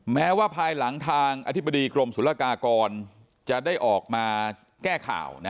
แม้ว่าภายหลังทางอธิบดีกรมศุลกากรจะได้ออกมาแก้ข่าว